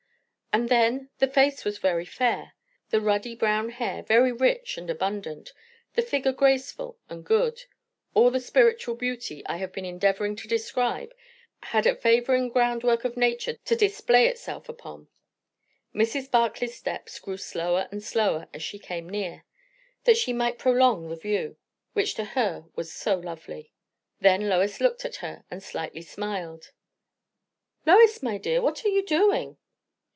And then, the face was very fair; the ruddy brown hair very rich and abundant; the figure graceful and good; all the spiritual beauty I have been endeavouring to describe had a favouring groundwork of nature to display itself upon. Mrs. Barclay's steps grew slower and slower as she came near, that she might prolong the view, which to her was so lovely. Then Lois looked at her and slightly smiled. "Lois, my dear, what are you doing?"